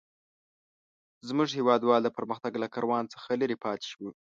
زموږ هيوادوال د پرمختګ له کاروان څخه لري پاته شوي.